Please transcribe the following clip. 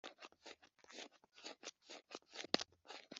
mu mushahara no mu burambe ku kazi